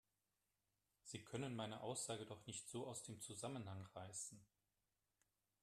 Sie können meine Aussage doch nicht so aus dem Zusammenhang reißen